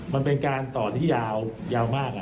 มันเป็นการต่อที่ยาวมาก